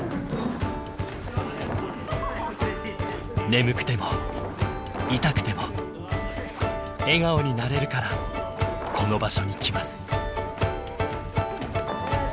眠くても痛くても笑顔になれるからこの場所に来ます。